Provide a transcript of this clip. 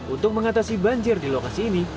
untuk mengatasi banjir di lokasi ini